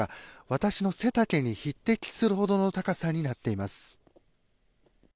私の背丈に匹敵するほどの高さになっています。